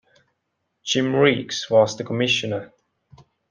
Jim Riggs was the commissioner.